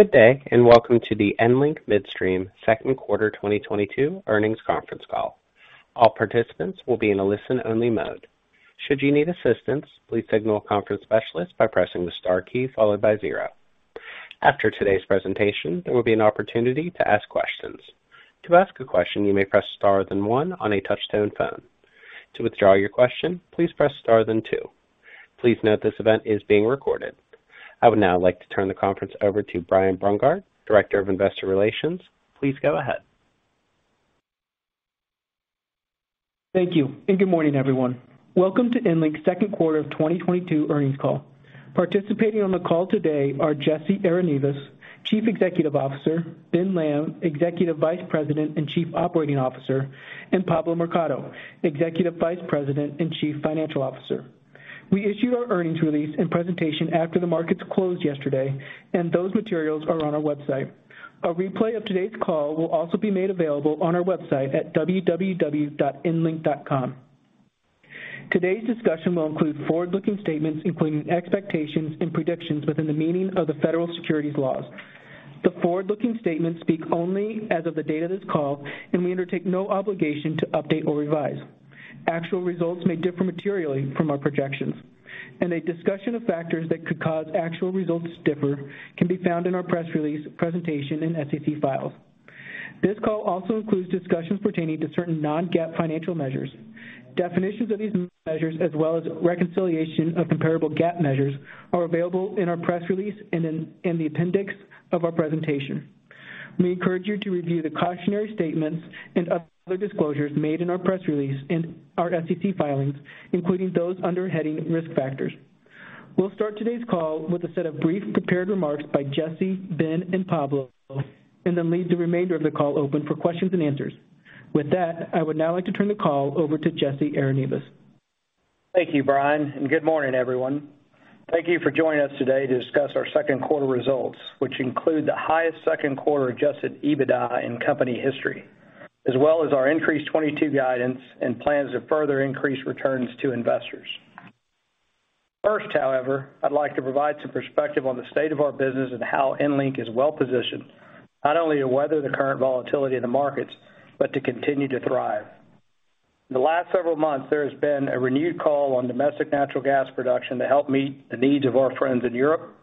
Good day, and welcome to the EnLink Midstream second quarter 2022 earnings conference call. All participants will be in a listen-only mode. Should you need assistance, please signal a conference specialist by pressing the star key followed by zero. After today's presentation, there will be an opportunity to ask questions. To ask a question, you may press star then one on a touch-tone phone. To withdraw your question, please press star then two. Please note this event is being recorded. I would now like to turn the conference over to Brian Brungardt, Director of Investor Relations. Please go ahead. Thank you, and good morning, everyone. Welcome to EnLink second quarter of 2022 earnings call. Participating on the call today are Jesse Arenivas, Chief Executive Officer, Ben Lamb, Executive Vice President and Chief Operating Officer, and Pablo Mercado, Executive Vice President and Chief Financial Officer. We issued our earnings release and presentation after the markets closed yesterday, and those materials are on our website. A replay of today's call will also be made available on our website at www.enlink.com. Today's discussion will include forward-looking statements, including expectations and predictions within the meaning of the federal securities laws. The forward-looking statements speak only as of the date of this call, and we undertake no obligation to update or revise. Actual results may differ materially from our projections, and a discussion of factors that could cause actual results to differ can be found in our press release, presentation, and SEC filings. This call also includes discussions pertaining to certain non-GAAP financial measures. Definitions of these measures, as well as reconciliation of comparable GAAP measures, are available in our press release and in the appendix of our presentation. We encourage you to review the cautionary statements and other disclosures made in our press release and our SEC filings, including those under heading Risk Factors. We'll start today's call with a set of brief prepared remarks by Jesse, Ben, and Pablo, and then leave the remainder of the call open for questions and answers. With that, I would now like to turn the call over to Jesse Arenivas. Thank you, Brian, and good morning, everyone. Thank you for joining us today to discuss our second quarter results, which include the highest second quarter adjusted EBITDA in company history, as well as our increased 2022 guidance and plans to further increase returns to investors. First, however, I'd like to provide some perspective on the state of our business and how EnLink is well-positioned, not only to weather the current volatility in the markets, but to continue to thrive. In the last several months, there has been a renewed call on domestic natural gas production to help meet the needs of our friends in Europe,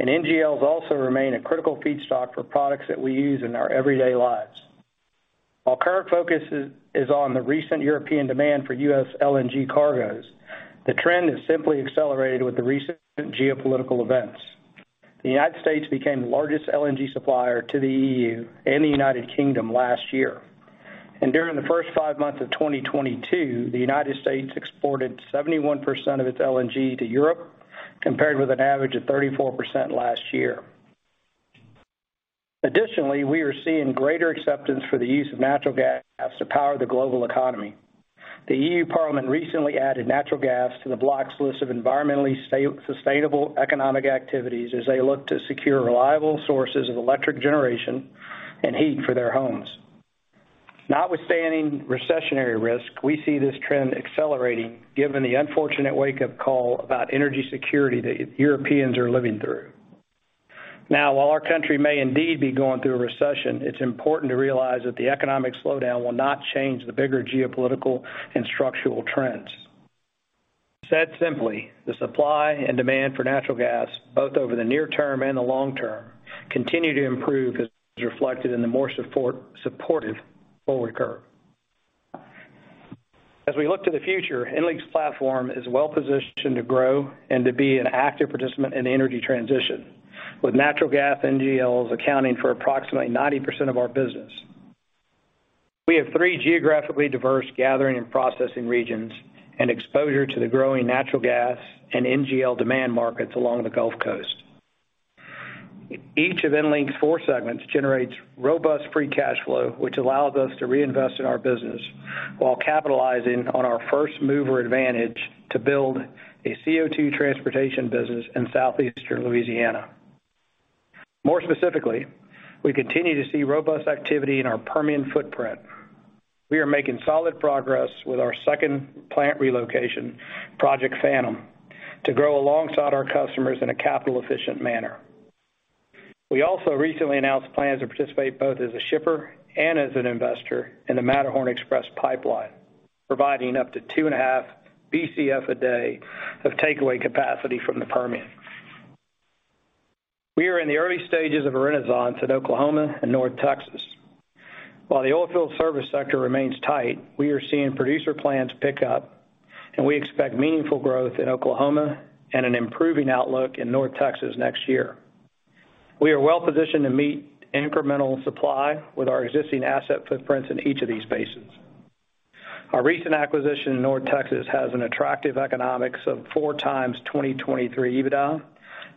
and NGLs also remain a critical feedstock for products that we use in our everyday lives. While current focus is on the recent European demand for U.S. LNG cargoes, the trend has simply accelerated with the recent geopolitical events. The United States became the largest LNG supplier to the EU and the United Kingdom last year. During the first five months of 2022, the United States exported 71% of its LNG to Europe, compared with an average of 34% last year. Additionally, we are seeing greater acceptance for the use of natural gas to power the global economy. The European Parliament recently added natural gas to the bloc's list of environmentally sustainable economic activities as they look to secure reliable sources of electric generation and heat for their homes. Notwithstanding recessionary risk, we see this trend accelerating given the unfortunate wake-up call about energy security that Europeans are living through. Now, while our country may indeed be going through a recession, it's important to realize that the economic slowdown will not change the bigger geopolitical and structural trends. Said simply, the supply and demand for natural gas, both over the near term and the long term, continue to improve as reflected in the more supportive forward curve. As we look to the future, EnLink's platform is well-positioned to grow and to be an active participant in the energy transition. With natural gas, NGLs accounting for approximately 90% of our business. We have three geographically diverse gathering and processing regions and exposure to the growing natural gas and NGL demand markets along the Gulf Coast. Each of EnLink's four segments generates robust free cash flow, which allows us to reinvest in our business while capitalizing on our first-mover advantage to build a CO2 transportation business in Southeastern Louisiana. More specifically, we continue to see robust activity in our Permian footprint. We are making solid progress with our second plant relocation, Project Phantom, to grow alongside our customers in a capital-efficient manner. We also recently announced plans to participate both as a shipper and as an investor in the Matterhorn Express Pipeline, providing up to 2.5 Bcf a day of takeaway capacity from the Permian. We are in the early stages of a renaissance at Oklahoma and North Texas. While the oilfield service sector remains tight, we are seeing producer plans pick up, and we expect meaningful growth in Oklahoma and an improving outlook in North Texas next year. We are well positioned to meet incremental supply with our existing asset footprints in each of these basins. Our recent acquisition in North Texas has an attractive economics of 4x 2023 EBITDA,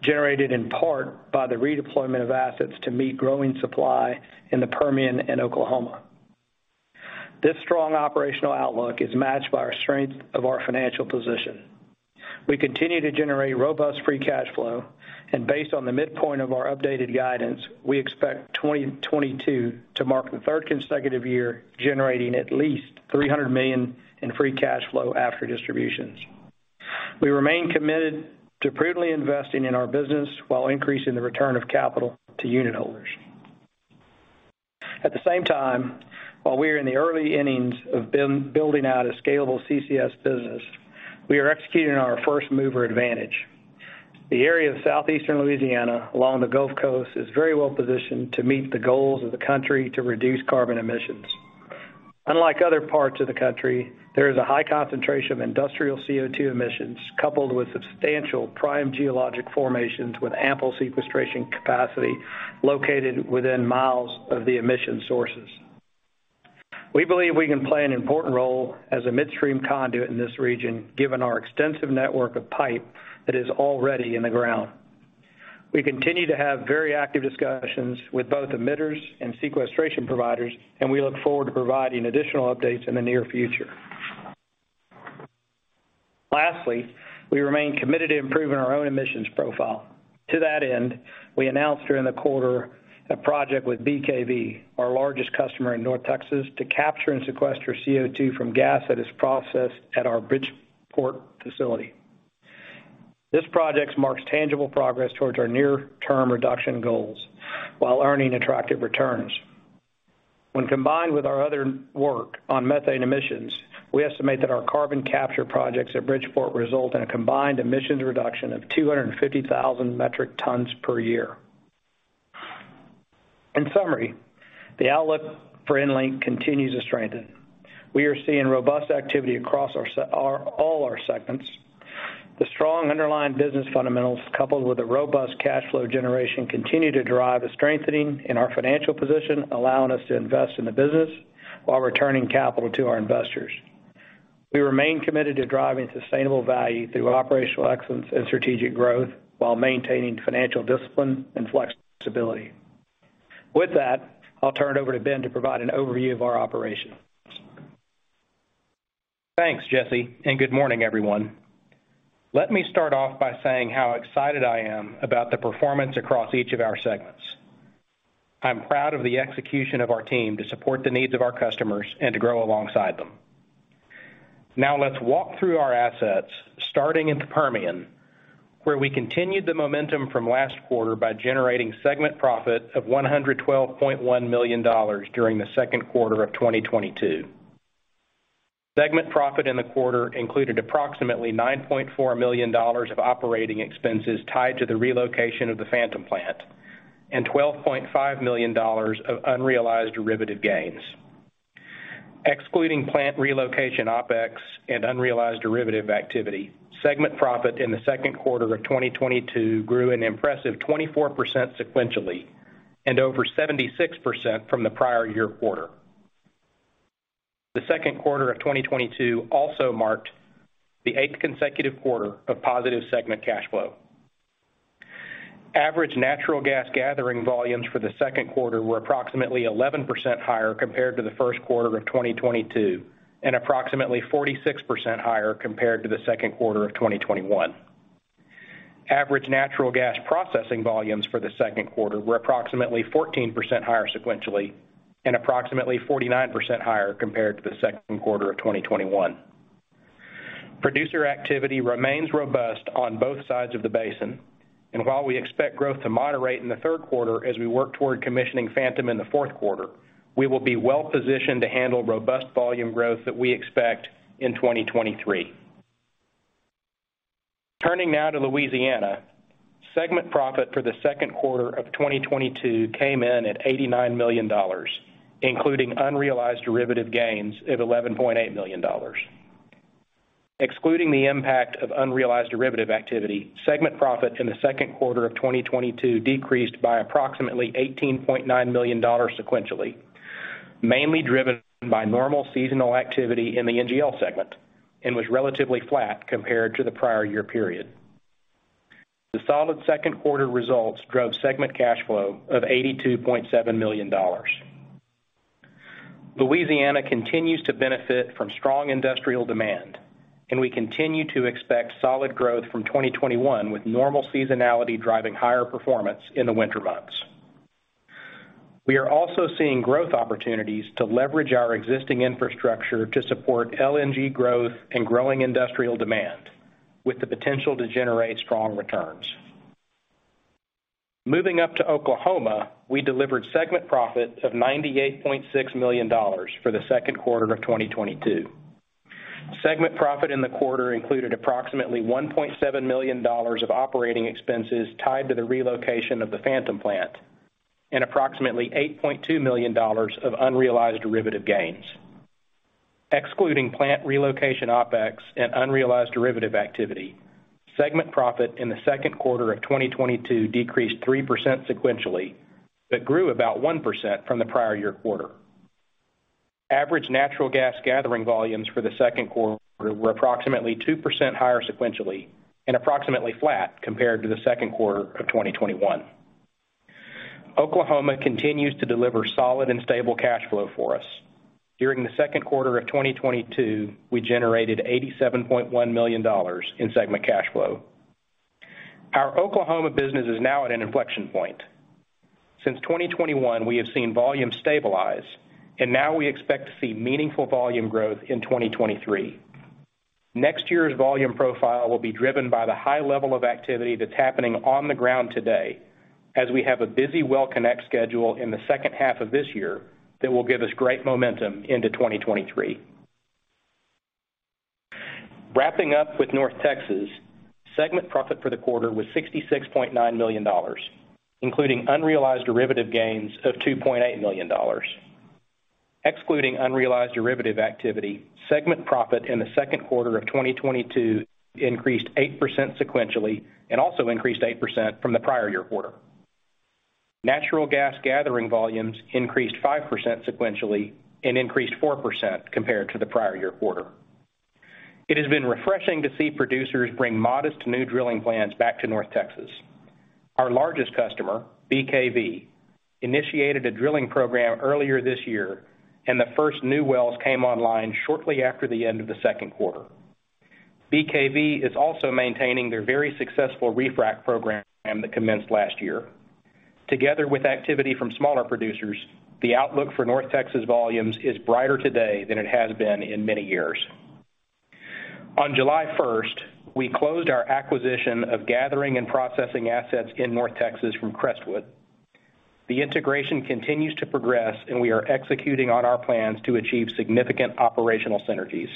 generated in part by the redeployment of assets to meet growing supply in the Permian and Oklahoma. This strong operational outlook is matched by the strength of our financial position. We continue to generate robust free cash flow. Based on the midpoint of our updated guidance, we expect 2022 to mark the third consecutive year generating at least $300 million in free cash flow after distributions. We remain committed to prudently investing in our business while increasing the return of capital to unit holders. At the same time, while we are in the early innings of building out a scalable CCS business, we are executing on our first mover advantage. The area of Southeastern Louisiana along the Gulf Coast is very well positioned to meet the goals of the country to reduce carbon emissions. Unlike other parts of the country, there is a high concentration of industrial CO2 emissions coupled with substantial prime geologic formations with ample sequestration capacity located within miles of the emission sources. We believe we can play an important role as a midstream conduit in this region, given our extensive network of pipe that is already in the ground. We continue to have very active discussions with both emitters and sequestration providers, and we look forward to providing additional updates in the near future. Lastly, we remain committed to improving our own emissions profile. To that end, we announced during the quarter a project with BKV, our largest customer in North Texas, to capture and sequester CO2 from gas that is processed at our Bridgeport facility. This project marks tangible progress towards our near term reduction goals while earning attractive returns. When combined with our other work on methane emissions, we estimate that our carbon capture projects at Bridgeport result in a combined emissions reduction of 250,000 metric tons per year. In summary, the outlook for EnLink continues to strengthen. We are seeing robust activity across all our segments. The strong underlying business fundamentals, coupled with a robust cash flow generation, continue to drive a strengthening in our financial position, allowing us to invest in the business while returning capital to our investors. We remain committed to driving sustainable value through operational excellence and strategic growth while maintaining financial discipline and flexibility. With that, I'll turn it over to Ben to provide an overview of our operations. Thanks, Jesse, and good morning, everyone. Let me start off by saying how excited I am about the performance across each of our segments. I'm proud of the execution of our team to support the needs of our customers and to grow alongside them. Now let's walk through our assets, starting in the Permian, where we continued the momentum from last quarter by generating segment profit of $112.1 million during the second quarter of 2022. Segment profit in the quarter included approximately $9.4 million of operating expenses tied to the relocation of the Phantom plant and $12.5 million of unrealized derivative gains. Excluding plant relocation, OpEx, and unrealized derivative activity, segment profit in the second quarter of 2022 grew an impressive 24% sequentially and over 76% from the prior year quarter. The second quarter of 2022 also marked the eighth consecutive quarter of positive segment cash flow. Average natural gas gathering volumes for the second quarter were approximately 11% higher compared to the first quarter of 2022, and approximately 46% higher compared to the second quarter of 2021. Average natural gas processing volumes for the second quarter were approximately 14% higher sequentially and approximately 49% higher compared to the second quarter of 2021. Producer activity remains robust on both sides of the basin. While we expect growth to moderate in the third quarter as we work toward commissioning Phantom in the fourth quarter, we will be well positioned to handle robust volume growth that we expect in 2023. Turning now to Louisiana. Segment profit for the second quarter of 2022 came in at $89 million, including unrealized derivative gains of $11.8 million. Excluding the impact of unrealized derivative activity, segment profit in the second quarter of 2022 decreased by approximately $18.9 million sequentially, mainly driven by normal seasonal activity in the NGL segment and was relatively flat compared to the prior year period. The solid second quarter results drove segment cash flow of $82.7 million. Louisiana continues to benefit from strong industrial demand, and we continue to expect solid growth from 2021, with normal seasonality driving higher performance in the winter months. We are also seeing growth opportunities to leverage our existing infrastructure to support LNG growth and growing industrial demand with the potential to generate strong returns. Moving up to Oklahoma, we delivered segment profit of $98.6 million for the second quarter of 2022. Segment profit in the quarter included approximately $1.7 million of operating expenses tied to the relocation of the Phantom plant and approximately $8.2 million of unrealized derivative gains. Excluding plant relocation, OpEx and unrealized derivative activity, segment profit in the second quarter of 2022 decreased 3% sequentially, but grew about 1% from the prior year quarter. Average natural gas gathering volumes for the second quarter were approximately 2% higher sequentially and approximately flat compared to the second quarter of 2021. Oklahoma continues to deliver solid and stable cash flow for us. During the second quarter of 2022, we generated $87.1 million in segment cash flow. Our Oklahoma business is now at an inflection point. Since 2021, we have seen volume stabilize, and now we expect to see meaningful volume growth in 2023. Next year's volume profile will be driven by the high level of activity that's happening on the ground today as we have a busy well connect schedule in the second half of this year that will give us great momentum into 2023. Wrapping up with North Texas, segment profit for the quarter was $66.9 million, including unrealized derivative gains of $2.8 million. Excluding unrealized derivative activity, segment profit in the second quarter of 2022 increased 8% sequentially and also increased 8% from the prior year quarter. Natural gas gathering volumes increased 5% sequentially and increased 4% compared to the prior year quarter. It has been refreshing to see producers bring modest new drilling plans back to North Texas. Our largest customer, BKV, initiated a drilling program earlier this year, and the first new wells came online shortly after the end of the second quarter. BKV is also maintaining their very successful refrac program that commenced last year. Together with activity from smaller producers, the outlook for North Texas volumes is brighter today than it has been in many years. On July first, we closed our acquisition of gathering and processing assets in North Texas from Crestwood. The integration continues to progress, and we are executing on our plans to achieve significant operational synergies.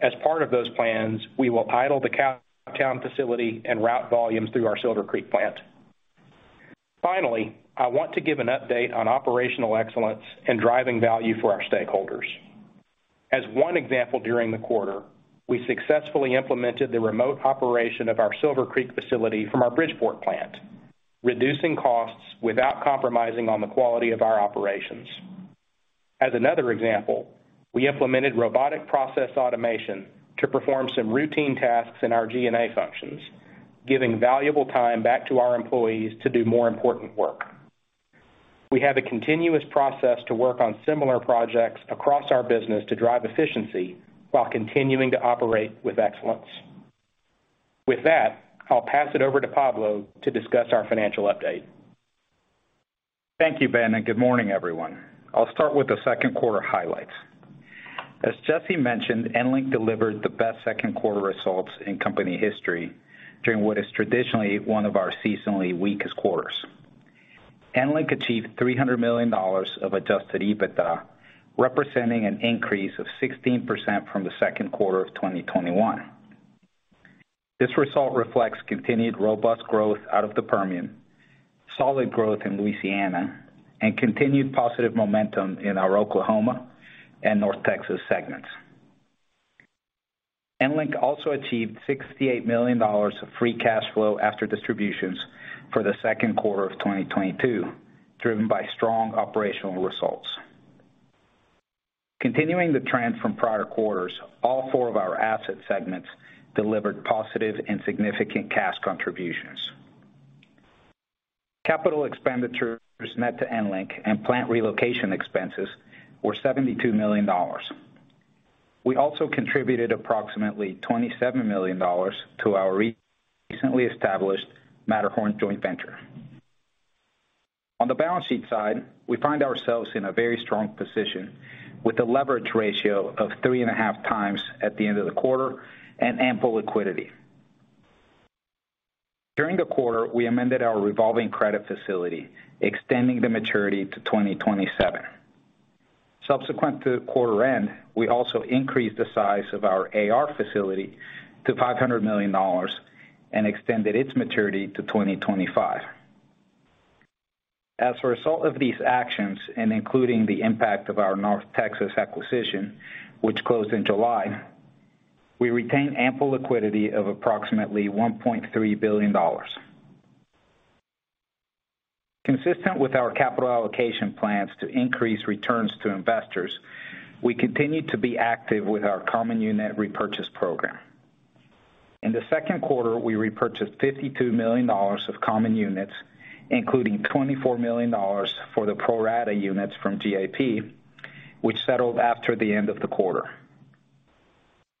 As part of those plans, we will idle the Cowtown facility and route volumes through our Silver Creek plant. Finally, I want to give an update on operational excellence and driving value for our stakeholders. As one example during the quarter, we successfully implemented the remote operation of our Silver Creek facility from our Bridgeport plant, reducing costs without compromising on the quality of our operations. As another example, we implemented robotic process automation to perform some routine tasks in our G&A functions, giving valuable time back to our employees to do more important work. We have a continuous process to work on similar projects across our business to drive efficiency while continuing to operate with excellence. With that, I'll pass it over to Pablo to discuss our financial update. Thank you, Ben, and good morning, everyone. I'll start with the second quarter highlights. As Jesse mentioned, EnLink delivered the best second quarter results in company history during what is traditionally one of our seasonally weakest quarters. EnLink achieved $300 million of adjusted EBITDA, representing an increase of 16% from the second quarter of 2021. This result reflects continued robust growth out of the Permian, solid growth in Louisiana, and continued positive momentum in our Oklahoma and North Texas segments. EnLink also achieved $68 million of free cash flow after distributions for the second quarter of 2022, driven by strong operational results. Continuing the trend from prior quarters, all four of our asset segments delivered positive and significant cash contributions. Capital expenditures net to EnLink and plant relocation expenses were $72 million. We also contributed approximately $27 million to our recently established Matterhorn joint venture. On the balance sheet side, we find ourselves in a very strong position with a leverage ratio of 3.5x at the end of the quarter and ample liquidity. During the quarter, we amended our revolving credit facility, extending the maturity to 2027. Subsequent to quarter end, we also increased the size of our AR facility to $500 million and extended its maturity to 2025. As a result of these actions, and including the impact of our North Texas acquisition, which closed in July, we retain ample liquidity of approximately $1.3 billion. Consistent with our capital allocation plans to increase returns to investors, we continue to be active with our common unit repurchase program. In the second quarter, we repurchased $52 million of common units, including $24 million for the pro rata units from GIP, which settled after the end of the quarter.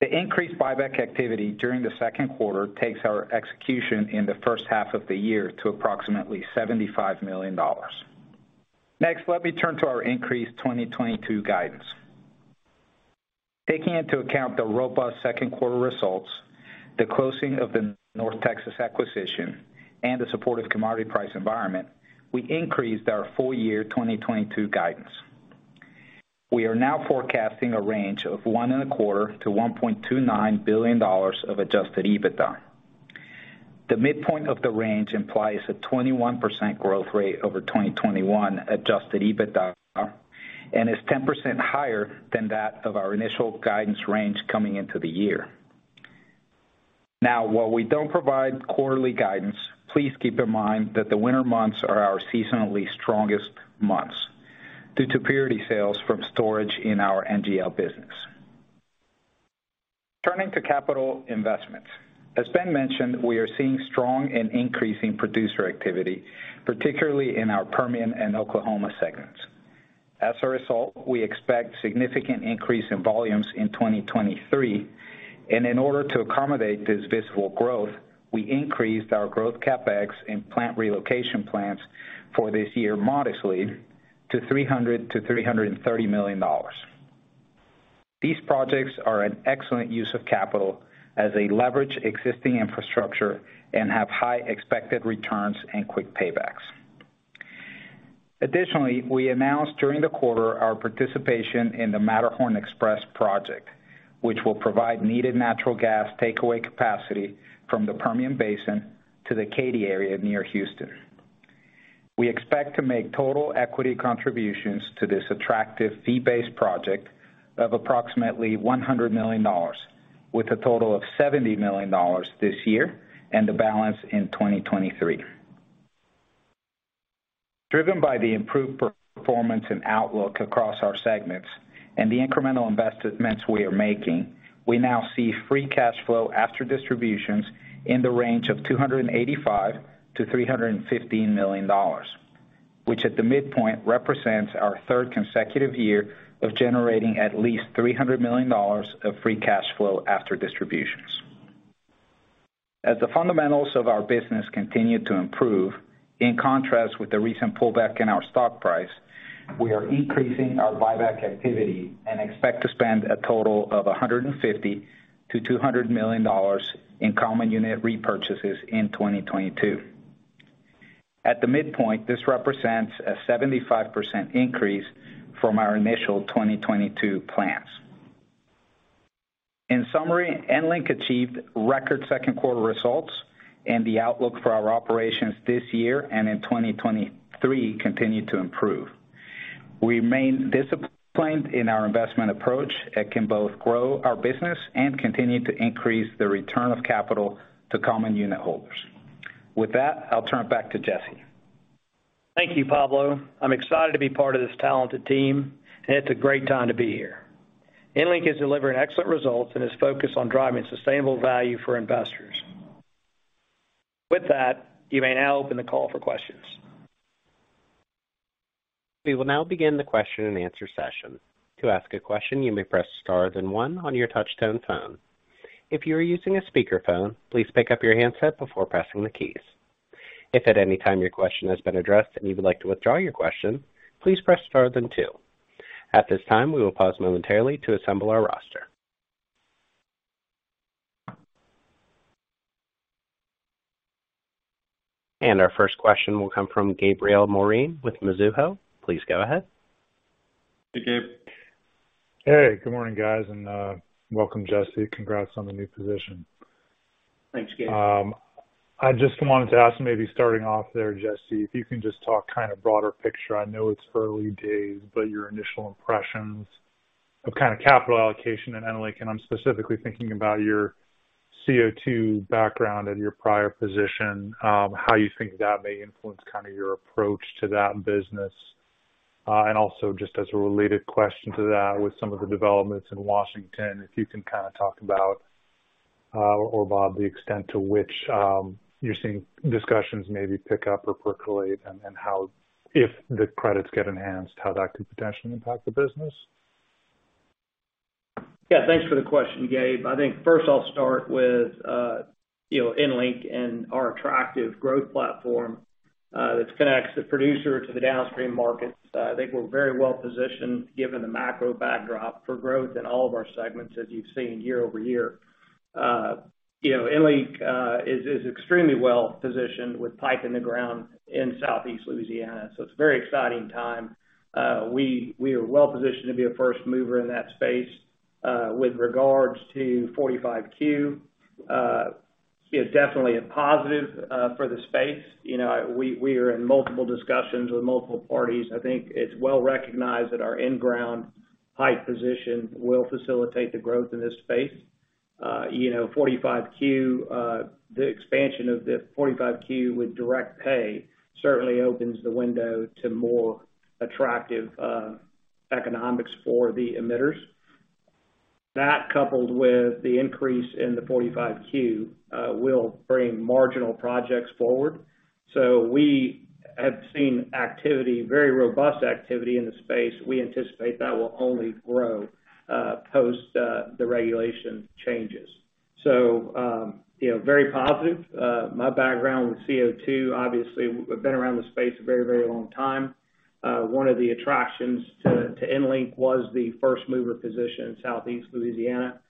The increased buyback activity during the second quarter takes our execution in the first half of the year to approximately $75 million. Next, let me turn to our increased 2022 guidance. Taking into account the robust second quarter results, the closing of the North Texas acquisition, and the supportive commodity price environment, we increased our full year 2022 guidance. We are now forecasting a range of $1.25 billion-$1.29 billion of adjusted EBITDA. The midpoint of the range implies a 21% growth rate over 2021 adjusted EBITDA and is 10% higher than that of our initial guidance range coming into the year. Now, while we don't provide quarterly guidance, please keep in mind that the winter months are our seasonally strongest months due to purity sales from storage in our NGL business. Turning to capital investments. As Ben mentioned, we are seeing strong and increasing producer activity, particularly in our Permian and Oklahoma segments. As a result, we expect significant increase in volumes in 2023. In order to accommodate this visible growth, we increased our growth CapEx and plant relocation plans for this year modestly to $300 million-$330 million. These projects are an excellent use of capital as they leverage existing infrastructure and have high expected returns and quick paybacks. Additionally, we announced during the quarter our participation in the Matterhorn Express project, which will provide needed natural gas takeaway capacity from the Permian Basin to the Katy area near Houston. We expect to make total equity contributions to this attractive fee-based project of approximately $100 million, with a total of $70 million this year and the balance in 2023. Driven by the improved performance and outlook across our segments and the incremental investments we are making, we now see free cash flow after distributions in the range of $285 million-$315 million, which at the midpoint represents our third consecutive year of generating at least $300 million of free cash flow after distributions. As the fundamentals of our business continue to improve, in contrast with the recent pullback in our stock price, we are increasing our buyback activity and expect to spend a total of $150 million-$200 million in common unit repurchases in 2022. At the midpoint, this represents a 75% increase from our initial 2022 plans. In summary, EnLink achieved record second quarter results and the outlook for our operations this year and in 2023 continue to improve. We remain disciplined in our investment approach that can both grow our business and continue to increase the return of capital to common unit holders. With that, I'll turn it back to Jesse. Thank you, Pablo. I'm excited to be part of this talented team, and it's a great time to be here. EnLink is delivering excellent results and is focused on driving sustainable value for investors. With that, you may now open the call for questions. We will now begin the question-and-answer session. To ask a question, you may press star then one on your touchtone phone. If you are using a speakerphone, please pick up your handset before pressing the keys. If at any time your question has been addressed and you would like to withdraw your question, please press star then two. At this time, we will pause momentarily to assemble our roster. Our first question will come from Gabriel Moreen with Mizuho. Please go ahead. Hey, Gabe. Hey, good morning, guys, and welcome, Jesse. Congrats on the new position. Thanks, Gabe. I just wanted to ask, maybe starting off there, Jesse, if you can just talk kind of broader picture. I know it's early days, but your initial impressions of kind of capital allocation at EnLink, and I'm specifically thinking about your CO2 background at your prior position, how you think that may influence kind of your approach to that business. Also just as a related question to that, with some of the developments in Washington, if you can kind of talk about, or about the extent to which, you're seeing discussions maybe pick up or percolate and how if the credits get enhanced, how that could potentially impact the business. Yeah, thanks for the question, Gabe. I think first I'll start with, you know, EnLink and our attractive growth platform, that connects the producer to the downstream markets. I think we're very well positioned, given the macro backdrop for growth in all of our segments, as you've seen year-over-year. You know, EnLink is extremely well-positioned with pipe in the ground in Southeast Louisiana, so it's a very exciting time. We are well positioned to be a first mover in that space. With regards to 45Q, it's definitely a positive for the space. You know, we are in multiple discussions with multiple parties. I think it's well recognized that our in-ground pipe position will facilitate the growth in this space. You know, 45Q, the expansion of the 45Q with direct pay certainly opens the window to more attractive economics for the emitters. That, coupled with the increase in the 45Q, will bring marginal projects forward. We have seen activity, very robust activity in the space. We anticipate that will only grow, post the regulation changes. You know, very positive. My background with CO2, obviously I've been around the space a very, very long time. One of the attractions to EnLink was the first mover position in Southeast Louisiana.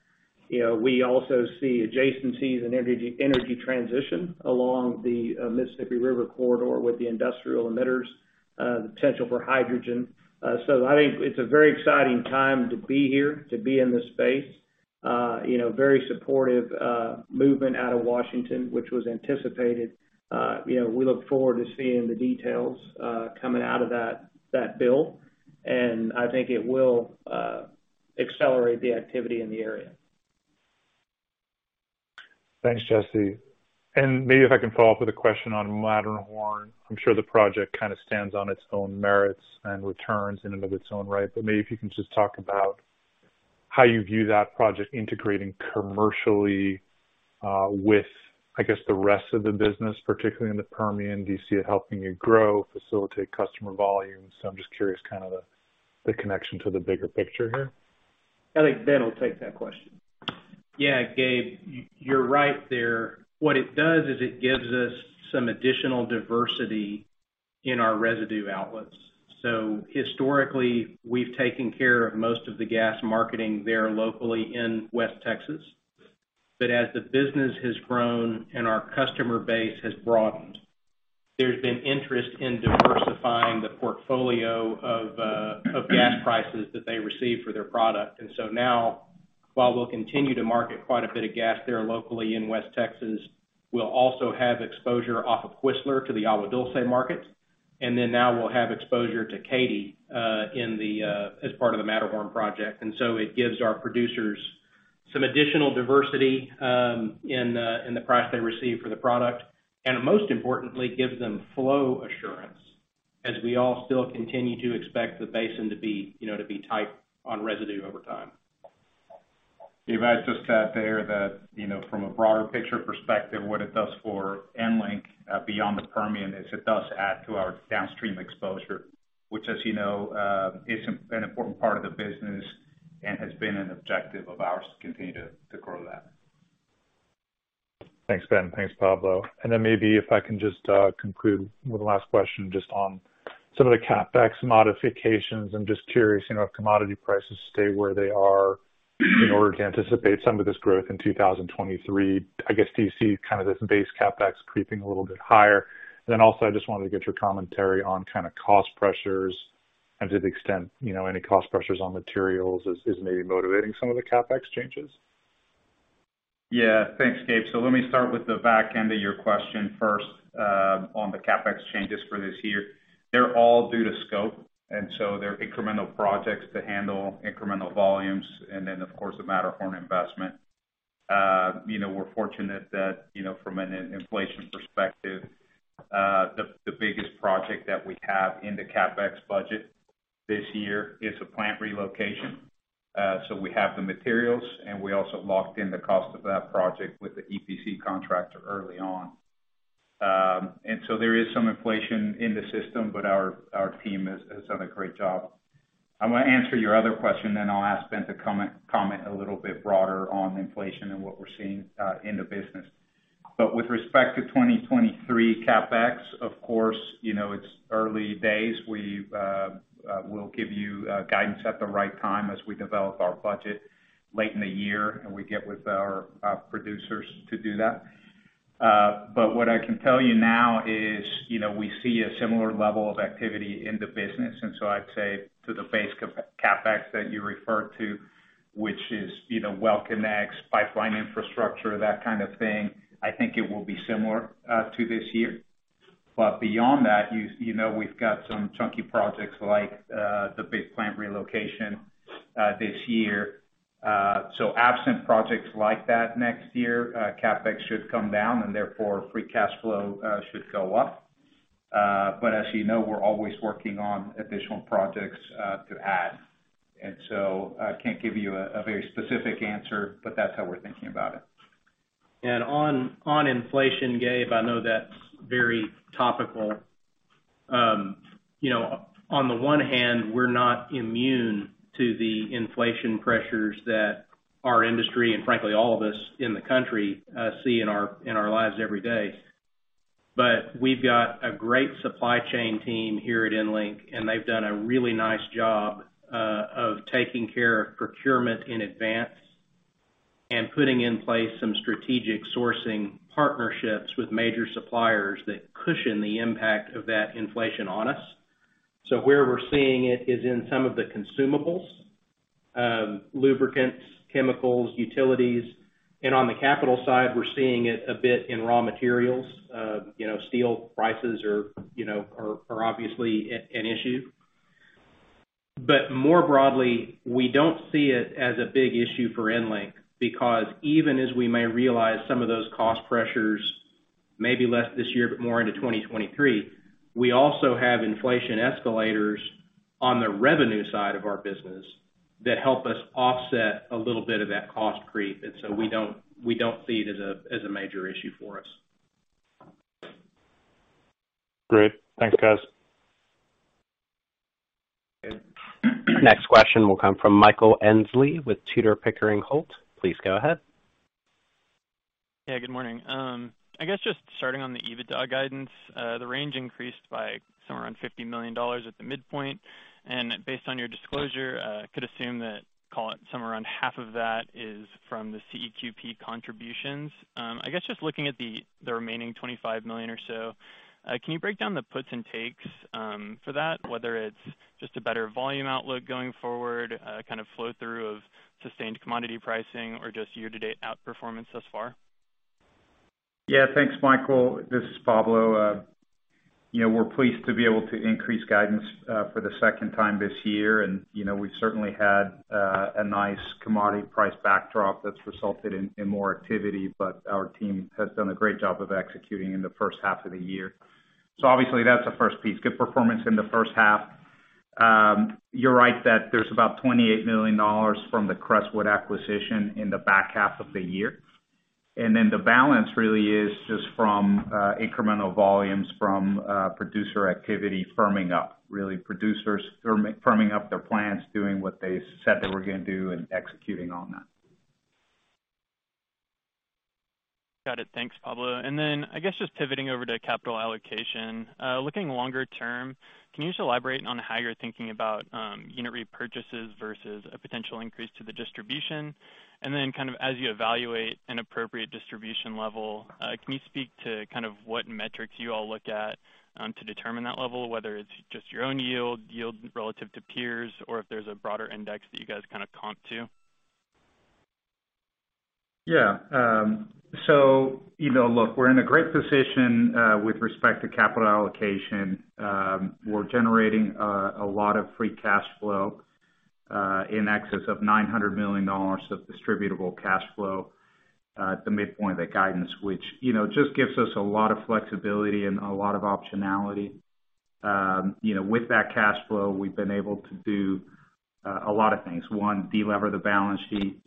You know, we also see adjacencies in energy transition along the Mississippi River Corridor with the industrial emitters, the potential for hydrogen. I think it's a very exciting time to be here, to be in this space. You know, very supportive movement out of Washington, which was anticipated. You know, we look forward to seeing the details coming out of that bill, and I think it will accelerate the activity in the area. Thanks, Jesse. Maybe if I can follow up with a question on Matterhorn. I'm sure the project kind of stands on its own merits and returns in and of its own right, but maybe if you can just talk about how you view that project integrating commercially, with, I guess, the rest of the business, particularly in the Permian. Do you see it helping you grow, facilitate customer volumes? I'm just curious kind of the connection to the bigger picture here. I think Ben will take that question. Yeah. Gabe, you're right there. What it does is it gives us some additional diversity in our residue outlets. Historically, we've taken care of most of the gas marketing there locally in West Texas. As the business has grown and our customer base has broadened, there's been interest in diversifying the portfolio of gas prices that they receive for their product. Now, while we'll continue to market quite a bit of gas there locally in West Texas, we'll also have exposure off of Whistler to the Agua Dulce market. Now we'll have exposure to Katy in the as part of the Matterhorn project. It gives our producers some additional diversity in the price they receive for the product, and most importantly, gives them flow assurance as we all still continue to expect the basin to be, you know, to be tight on residue over time. If I just add there that, you know, from a broader picture perspective, what it does for EnLink beyond the Permian is it does add to our downstream exposure, which as you know is an important part of the business and has been an objective of ours to continue to grow that. Thanks, Ben. Thanks, Pablo. Maybe if I can just conclude with a last question just on some of the CapEx modifications. I'm just curious, you know, if commodity prices stay where they are in order to anticipate some of this growth in 2023, I guess, do you see kind of this base CapEx creeping a little bit higher? Then also, I just wanted to get your commentary on kind of cost pressures and to the extent, you know, any cost pressures on materials is maybe motivating some of the CapEx changes. Yeah. Thanks, Gabe. Let me start with the back end of your question first, on the CapEx changes for this year. They're all due to scope, and so they're incremental projects to handle incremental volumes and then, of course, the Matterhorn investment. You know, we're fortunate that, you know, from an inflation perspective, the biggest project that we have in the CapEx budget this year is a plant relocation. We have the materials, and we also locked in the cost of that project with the EPC contractor early on. And so there is some inflation in the system, but our team has done a great job. I'm gonna answer your other question, then I'll ask Ben to comment a little bit broader on inflation and what we're seeing, in the business. With respect to 2023 CapEx, of course, you know, it's early days. We'll give you guidance at the right time as we develop our budget late in the year, and we get with our producers to do that. What I can tell you now is, you know, we see a similar level of activity in the business. I'd say to the base CapEx that you referred to, which is, you know, well connects, pipeline infrastructure, that kind of thing, I think it will be similar to this year. Beyond that, you know, we've got some chunky projects like the big plant relocation this year. Absent projects like that next year, CapEx should come down and therefore free cash flow should go up. as you know, we're always working on additional projects to add. I can't give you a very specific answer, but that's how we're thinking about it. On inflation, Gabe, I know that's very topical. You know, on the one hand, we're not immune to the inflation pressures that our industry and frankly, all of us in the country see in our lives every day. We've got a great supply chain team here at EnLink, and they've done a really nice job of taking care of procurement in advance and putting in place some strategic sourcing partnerships with major suppliers that cushion the impact of that inflation on us. Where we're seeing it is in some of the consumables, lubricants, chemicals, utilities. On the capital side, we're seeing it a bit in raw materials. You know, steel prices are obviously an issue. More broadly, we don't see it as a big issue for EnLink because even as we may realize some of those cost pressures, maybe less this year, but more into 2023, we also have inflation escalators on the revenue side of our business that help us offset a little bit of that cost creep. We don't see it as a major issue for us. Great. Thanks, guys. Good. Next question will come from Michael Endsley with Tudor, Pickering, Holt & Co. Please go ahead. Yeah, good morning. I guess just starting on the EBITDA guidance, the range increased by somewhere around $50 million at the midpoint. Based on your disclosure, could assume that, call it somewhere around half of that is from the CEQP contributions. I guess just looking at the remaining $25 million or so, can you break down the puts and takes for that, whether it's just a better volume outlook going forward, a kind of flow through of sustained commodity pricing or just year-to-date outperformance thus far? Yeah. Thanks, Michael. This is Pablo. You know, we're pleased to be able to increase guidance for the second time this year. You know, we've certainly had a nice commodity price backdrop that's resulted in more activity, but our team has done a great job of executing in the first half of the year. Obviously, that's the first piece, good performance in the first half. You're right that there's about $28 million from the Crestwood acquisition in the back half of the year. Then the balance really is just from incremental volumes from producer activity firming up. Really producers firming up their plans, doing what they said they were gonna do and executing on that. Got it. Thanks, Pablo. I guess just pivoting over to capital allocation. Looking longer term, can you elaborate on how you're thinking about unit repurchases versus a potential increase to the distribution? Kind of as you evaluate an appropriate distribution level, can you speak to kind of what metrics you all look at to determine that level, whether it's just your own yield relative to peers, or if there's a broader index that you guys kind of comp to? Yeah. So, you know, look, we're in a great position with respect to capital allocation. We're generating a lot of free cash flow in excess of $900 million of distributable cash flow at the midpoint of the guidance, which, you know, just gives us a lot of flexibility and a lot of optionality. You know, with that cash flow, we've been able to do a lot of things. One, delever the balance sheet.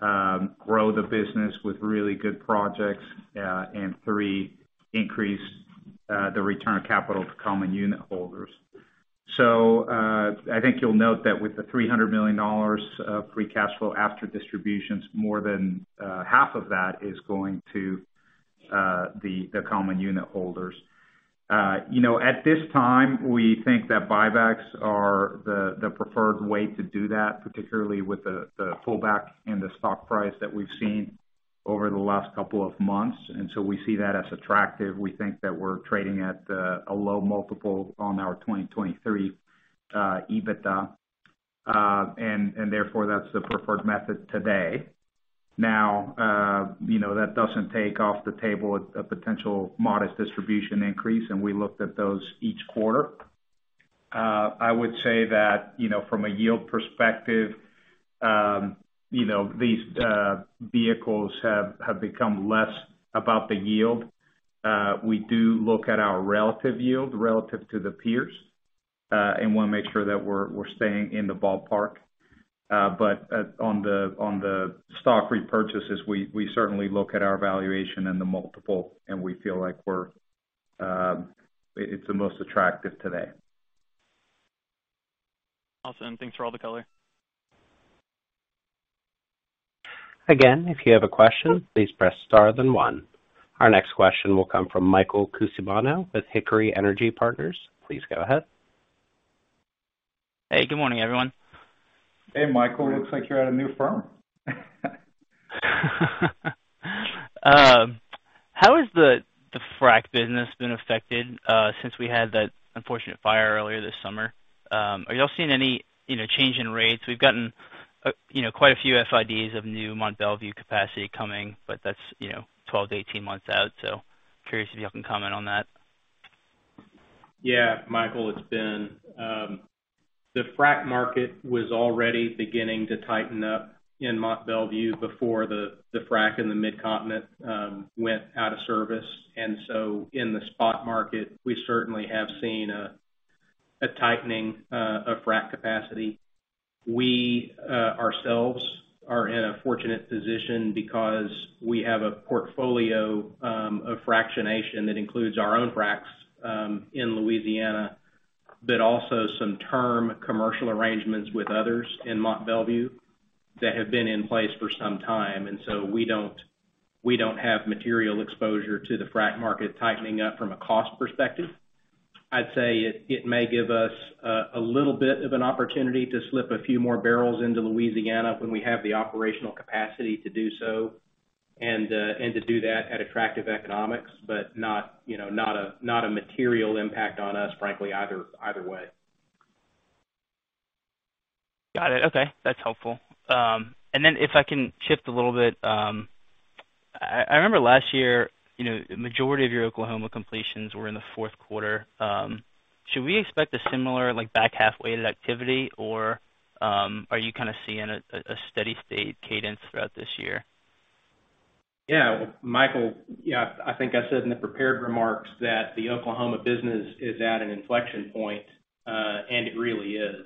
Two, grow the business with really good projects. And three, increase the return on capital to common unit holders. I think you'll note that with the $300 million of free cash flow after distributions, more than half of that is going to the common unit holders. You know, at this time, we think that buybacks are the preferred way to do that, particularly with the pullback in the stock price that we've seen over the last couple of months. We see that as attractive. We think that we're trading at a low multiple on our 2023 EBITDA. Therefore, that's the preferred method today. Now, you know, that doesn't take off the table a potential modest distribution increase, and we looked at those each quarter. I would say that, you know, from a yield perspective, you know, these vehicles have become less about the yield. We do look at our relative yield relative to the peers, and wanna make sure that we're staying in the ballpark. On the stock repurchases, we certainly look at our valuation and the multiple, and we feel like it's the most attractive today. Awesome. Thanks for all the color. Again, if you have a question, please press star then one. Our next question will come from Michael Cusimano with Pickering Energy Partners. Please go ahead. Hey, good morning, everyone. Hey, Michael. Looks like you're at a new firm. How has the frack business been affected since we had that unfortunate fire earlier this summer? Are you all seeing any, you know, change in rates? We've gotten, you know, quite a few FIDs of new Mont Belvieu capacity coming, but that's, you know, 12-18 months out. Curious if you all can comment on that. Yeah, Michael, it's been. The frac market was already beginning to tighten up in Mont Belvieu before the frac in the Midcontinent went out of service. In the spot market, we certainly have seen a tightening of frac capacity. We ourselves are in a fortunate position because we have a portfolio of fractionation that includes our own fracs in Louisiana, but also some term commercial arrangements with others in Mont Belvieu that have been in place for some time. We don't have material exposure to the frac market tightening up from a cost perspective. I'd say it may give us a little bit of an opportunity to slip a few more barrels into Louisiana when we have the operational capacity to do so and to do that at attractive economics, but not, you know, not a material impact on us, frankly, either way. Got it. Okay, that's helpful. If I can shift a little bit. I remember last year, you know, the majority of your Oklahoma completions were in the fourth quarter. Should we expect a similar, like, back half-weighted activity, or, are you kind of seeing a steady state cadence throughout this year? Yeah. Michael, yeah, I think I said in the prepared remarks that the Oklahoma business is at an inflection point, and it really is.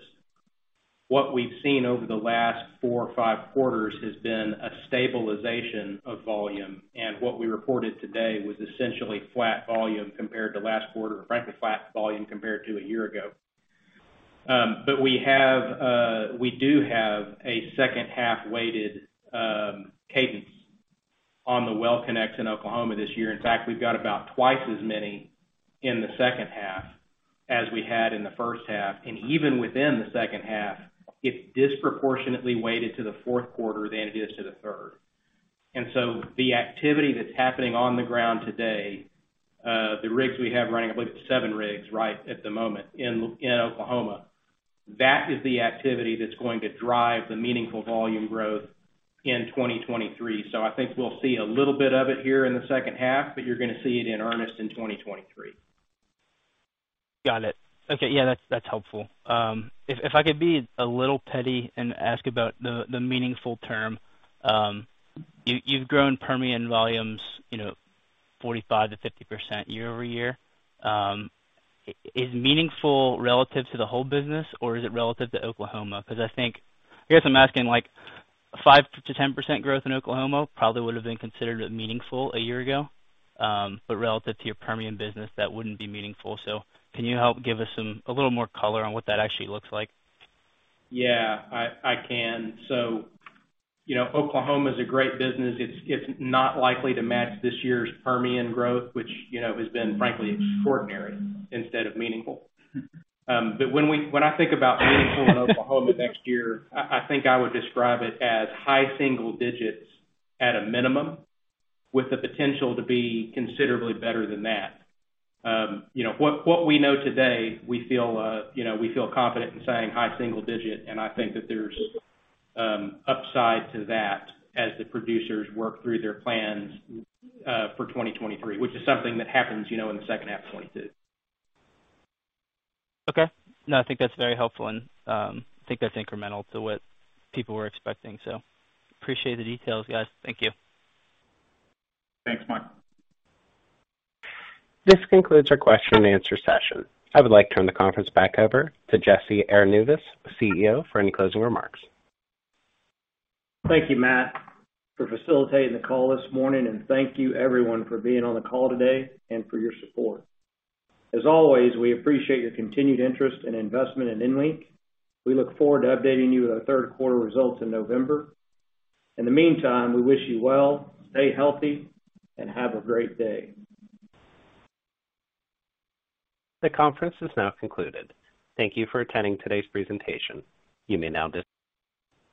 What we've seen over the last four or five quarters has been a stabilization of volume, and what we reported today was essentially flat volume compared to last quarter, or frankly, flat volume compared to a year ago. We do have a second half-weighted cadence on the well connects in Oklahoma this year. In fact, we've got about twice as many in the second half as we had in the first half. Even within the second half, it's disproportionately weighted to the fourth quarter than it is to the third. The activity that's happening on the ground today, the rigs we have running, I believe it's seven rigs right at the moment in Oklahoma. That is the activity that's going to drive the meaningful volume growth in 2023. I think we'll see a little bit of it here in the second half, but you're gonna see it in earnest in 2023. Got it. Okay. Yeah, that's helpful. If I could be a little petty and ask about the meaningful term, you've grown Permian volumes, you know, 45%-50% year-over-year. Is meaningful relative to the whole business or is it relative to Oklahoma? 'Cause I think, I guess I'm asking like 5%-10% growth in Oklahoma probably would have been considered meaningful a year ago, but relative to your Permian business, that wouldn't be meaningful. Can you help give us a little more color on what that actually looks like? Yeah, I can. You know, Oklahoma is a great business. It's not likely to match this year's Permian growth, which, you know, has been frankly extraordinary instead of meaningful. But when I think about meaningful in Oklahoma next year, I think I would describe it as high single digits at a minimum, with the potential to be considerably better than that. You know, what we know today, we feel, you know, we feel confident in saying high single digit, and I think that there's upside to that as the producers work through their plans for 2023, which is something that happens, you know, in the second half of 2022. Okay. No, I think that's very helpful and, I think that's incremental to what people were expecting. Appreciate the details, guys. Thank you. Thanks, Michael. This concludes our question-and-answer session. I would like to turn the conference back over to Jesse Arenivas, CEO, for any closing remarks. Thank you, Matt, for facilitating the call this morning. Thank you everyone for being on the call today and for your support. As always, we appreciate your continued interest and investment in EnLink. We look forward to updating you with our third quarter results in November. In the meantime, we wish you well, stay healthy, and have a great day. The conference is now concluded. Thank you for attending today's presentation.